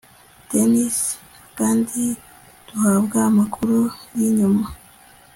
dennis, kandi duhabwa amakuru yinyuma